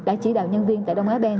đã chỉ đạo nhân viên tại đông á ben